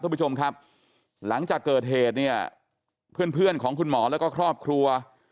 คุณผู้ชมครับหลังจากเกิดเหตุเนี่ยเพื่อนเพื่อนของคุณหมอแล้วก็ครอบครัว